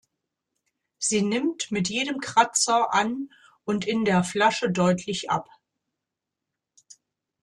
Sie nimmt mit jedem Kratzer an und in der Flasche deutlich ab.